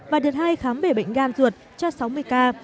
và đợt hai khám bể bệnh gan ruột cho sáu mươi ca